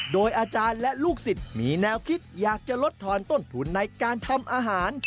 โดยอาจารย์และลูกศิษย์มีแนวคิดอยากจะลดทอนต้นทุนในการทำอาหาร